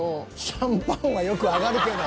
シャンパンはよく上がるけど。